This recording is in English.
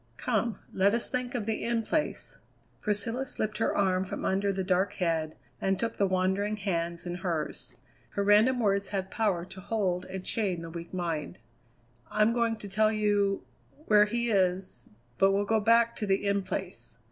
Come, let us think of the In Place." Priscilla slipped her arm from under the dark head, and took the wandering hands in hers. Her random words had power to hold and chain the weak mind. "I'm going to tell you where he is but we'll go back to the In Place.